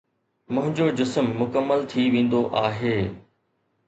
منهنجو جسم مڪمل ٿي ويندو آهي.